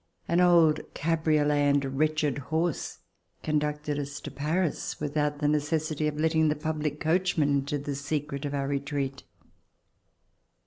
An old cabriolet and a wretched horse conducted us to Paris, without the necessity of letting the public coachmen into the secret of our retreat.